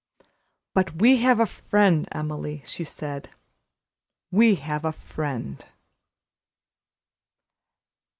"But we have a friend, Emily," she said; "we have a friend."